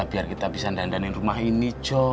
biar kita bisa dandanin rumah ini jo